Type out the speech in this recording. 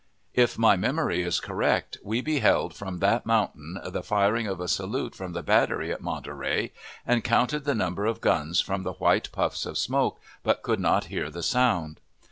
If my memory is correct, we beheld from that mountain the firing of a salute from the battery at Monterey, and counted the number of guns from the white puffs of smoke, but could not hear the sound.